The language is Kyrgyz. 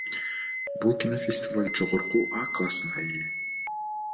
Бул кинофестиваль жогорку А классына ээ.